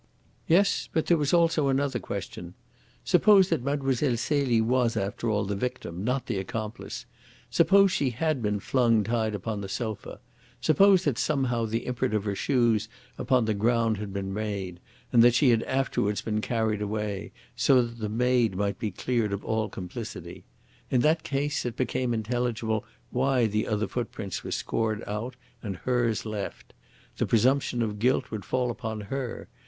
"Yes; but there was also another question. Suppose that Mlle. Celie was, after all, the victim, not the accomplice; suppose she had been flung tied upon the sofa; suppose that somehow the imprint of her shoes upon the ground had been made, and that she had afterwards been carried away, so that the maid might be cleared of all complicity in that case it became intelligible why the other footprints were scored out and hers left. The presumption of guilt would fall upon her.